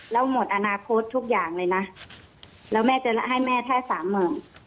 แล้วหมดอนาคตทุกอย่างเลยนะแล้วแม่จะให้แม่แค่สามหมื่น